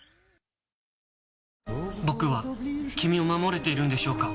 僕は君を守れているんでしょうか？